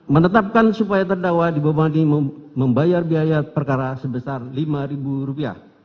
empat menetapkan supaya terdakwa dibawah ini membayar biaya perkara sebesar rp lima